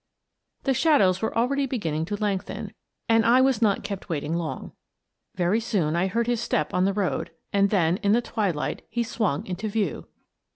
The shadows were already beginning to lengthen, and I was not kept waiting long. Very soon I heard his step on the road, and then, in the twilight, he swung into view.